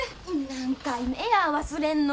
何回目や忘れんの。